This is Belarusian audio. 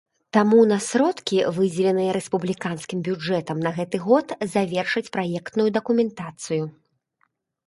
Таму на сродкі, выдзеленыя рэспубліканскім бюджэтам на гэты год, завершаць праектную дакументацыю.